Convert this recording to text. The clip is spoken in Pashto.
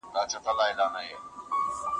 دا هنر تر هغه بل ډېر ګټور دی.